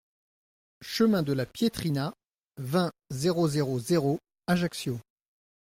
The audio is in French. Chemin de la Pietrina, vingt, zéro zéro zéro Ajaccio